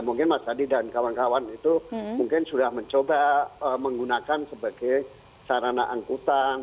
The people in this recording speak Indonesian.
mungkin mas adi dan kawan kawan itu mungkin sudah mencoba menggunakan sebagai sarana angkutan